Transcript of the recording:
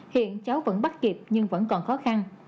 hiện cháu vẫn bắt kịp nhưng vẫn còn khó khăn